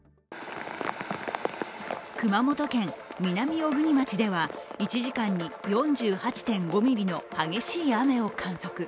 熊本県南小国町では１時間に４８．５ミリの激しい雨を観測。